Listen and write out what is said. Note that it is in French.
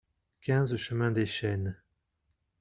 quinze chemin Dès Chênes